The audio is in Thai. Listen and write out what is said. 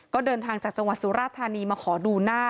ก็เดินทางจากจังหวัดสุราธานีมาขอดูหน้า